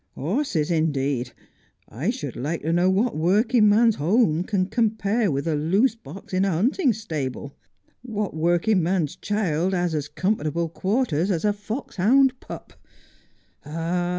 ' Horses, indeed ! I should like to know what working man's home cau In the Assize Court. 47 compare with a loose box in a hunting stable ; what working man's child has as comfortable quarters as a fox hound pup \ Ah